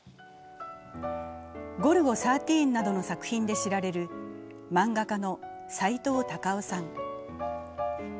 「ゴルゴ１３」などの作品で知られる漫画家のさいとう・たかをさん。